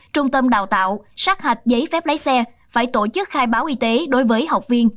trung tâm đào tạo sát hạch giấy phép lái xe phải tổ chức khai báo y tế đối với học viên